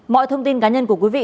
mọi thông tin cá nhân của quý vị